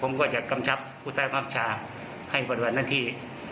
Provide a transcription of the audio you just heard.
ผมก็จะกำชับหุตะเวียบชาให้บริเวณนาที